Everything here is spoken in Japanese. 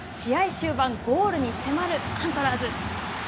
終盤ゴールに迫るアントラーズ。